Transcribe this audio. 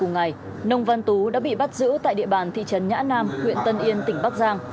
ngày nông văn tú đã bị bắt giữ tại địa bàn thị trấn nhã nam huyện tân yên tỉnh bắc giang